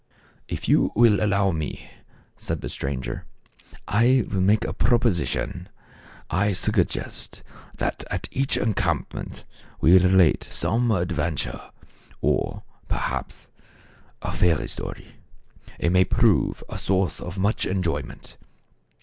" If you will allow me," said the stranger, " I will make a proposition. I suggest that at each encampment we relate some adventure or, per haps, a fairy story. It might prove a source of much enjoyment."